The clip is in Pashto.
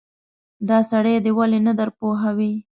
دا سړی دې ولې نه درپوهوې.